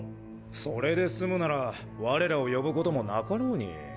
それで済むなら我らを呼ぶこともなかろうに。